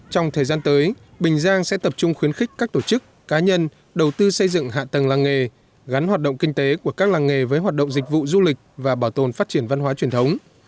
trong thời gian tới bình giang sẽ tập trung khuyến khích các tổ chức cá nhân đầu tư xây dựng hạ tầng làng nghề gắn hoạt động kinh tế của các làng nghề với hoạt động dịch vụ du lịch và bảo tồn phát triển văn hóa truyền thống